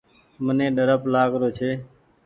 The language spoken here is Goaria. مني ڏرپ لآگ رو ڇي۔